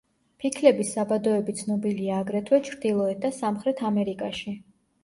ფიქლების საბადოები ცნობილია აგრეთვე ჩრდილოეთ და სამხრეთ ამერიკაში.